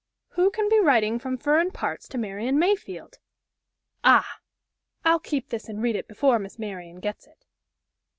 Who can be writing from furrin parts to Marian Mayfield? Ah! I'll keep this and read it before Miss Marian gets it."